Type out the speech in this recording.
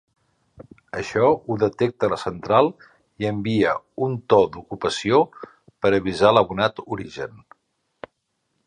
Això ho detecta la central i envia un to d'ocupació per avisar l'abonat origen.